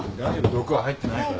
毒は入ってないから。